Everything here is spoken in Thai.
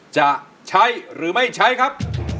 จะใช้หรือไม่ใช้ครับ